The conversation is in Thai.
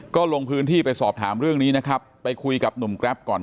ก็ลงพื้นที่ไปสอบถามเรื่องนี้นะครับไปคุยกับหนุ่มแกรปก่อน